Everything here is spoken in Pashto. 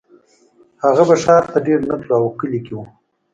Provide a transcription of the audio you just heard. هغه به ښار ته ډېر نه تلو او کلي کې و